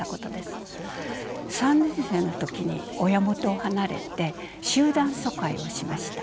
３年生の時に親元を離れて集団疎開をしました。